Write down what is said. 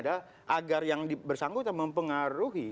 agar yang bersangkutan mempengaruhi